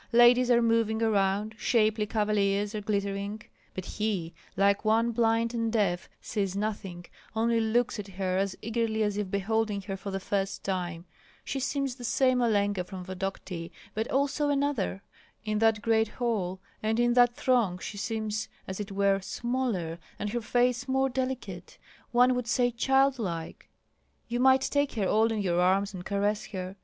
Ladies are moving around, shapely cavaliers are glittering; but he, like one blind and deaf, sees nothing, only looks at her as eagerly as if beholding her for the first time. She seems the same Olenka from Vodokty, but also another. In that great hall and in that throng she seems, as it were, smaller, and her face more delicate, one would say childlike. You might take her all in your arms and caress her!